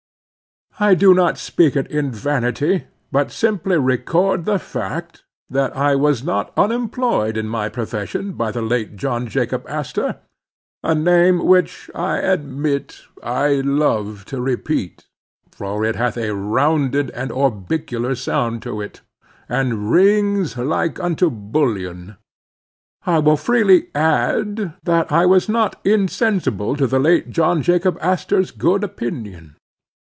I do not speak it in vanity, but simply record the fact, that I was not unemployed in my profession by the late John Jacob Astor; a name which, I admit, I love to repeat, for it hath a rounded and orbicular sound to it, and rings like unto bullion. I will freely add, that I was not insensible to the late John Jacob Astor's good opinion.